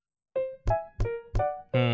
うん。